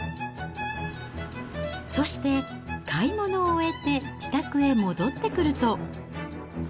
そして買い物を終えて自宅へ戻ってくると。